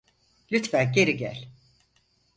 Lütfen geri gel.